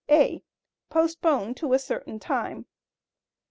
(a) Postpone to a certain time.